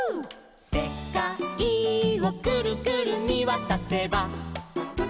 「せかいをくるくるみわたせば」